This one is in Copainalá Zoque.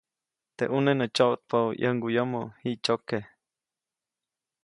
Teʼ ʼuneʼ nä tsyoʼtpäʼu ʼyäŋguʼyomo, jiʼtsyoke.